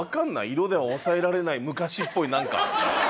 色では抑えられない昔っぽいなんか。